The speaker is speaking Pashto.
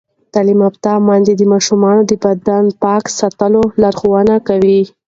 تعلیم یافته میندې د ماشومانو د بدن پاک ساتلو لارښوونه کوي.